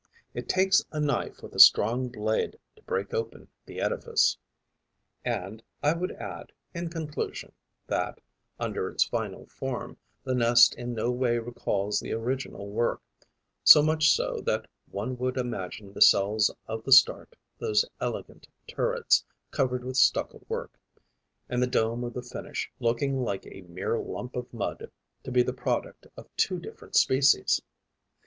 It takes a knife with a strong blade to break open the edifice. And I would add, in conclusion, that, under its final form, the nest in no way recalls the original work, so much so that one would imagine the cells of the start, those elegant turrets covered with stucco work, and the dome of the finish, looking like a mere lump of mud, to be the product of two different species.